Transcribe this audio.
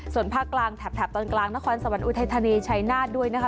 ส่วนภาคกลางแถบตอนกลางนครสวรรคอุทัยธานีชัยนาธด้วยนะคะ